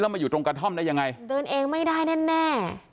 มาอยู่ตรงกระท่อมได้ยังไงเดินเองไม่ได้แน่แน่